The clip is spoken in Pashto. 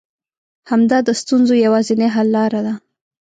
همدا د ستونزو يوازنۍ حل لاره ده.